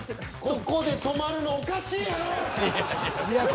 ここで止まるのおかしいやろ！